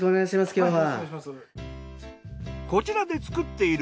今日は。